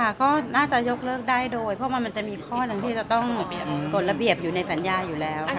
ก็น่าจะยกเลิกได้โดยเพราะมันจะมีข้อหนึ่งที่จะต้องกฎระเบียบอยู่ในสัญญาอยู่แล้วค่ะ